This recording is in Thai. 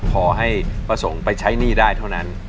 ขอให้ประสงค์ไปใช้หนี้ได้เท่านั้น